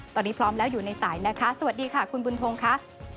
ตอนนี้พร้อมแล้วอยู่ในสายนะคะสวัสดีค่ะคุณบุญทงค่ะ